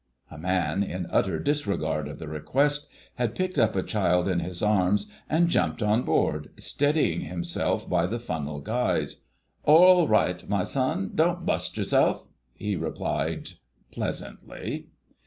A man, in utter disregard of the request, had picked up a child in his arms and jumped on board, steadying himself by the funnel guys. "Orl right, my son, don't bust yerself," he replied pleasantly.